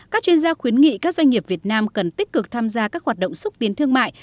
các chuyên gia khuyến nghị các doanh nghiệp việt nam cần tích cực tham gia các hoạt động xúc tiến thương mại